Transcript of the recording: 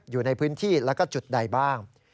อยู่ในพื้นที่แล้วก็จุดใดบ้าง